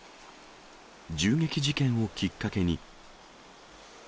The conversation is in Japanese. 銃撃事件をきっかけに。